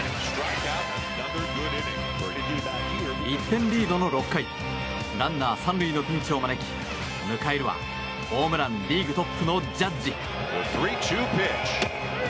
１点リードの６回ランナー３塁のピンチを招き迎えるはホームランリーグトップのジャッジ。